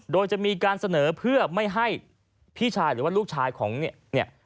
โดยจะมีการเสนอเพื่อไม่ให้พี่ชายหรือว่าลูกชายของเนี่ย